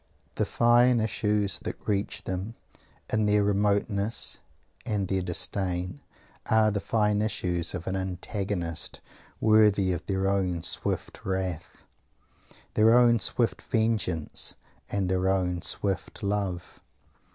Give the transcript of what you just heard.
The "fine issues" that reach them, in their remoteness and their disdain, are the "fine issues" of an antagonist worthy of their own swift wrath, their own swift vengeance, and their own swift love.